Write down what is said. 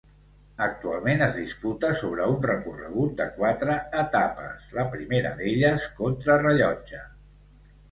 Actualment es disputa sobre un recorregut de quatre etapes, la primera d'elles contrarellotge.